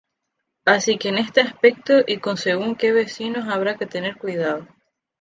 Así que en este aspecto y con según que vecinos habrá que tener cuidado.